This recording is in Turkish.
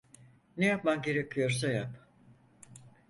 Ne yapman gerekiyorsa yap.